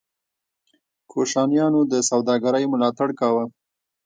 کوشانیانو د سوداګرۍ ملاتړ کاوه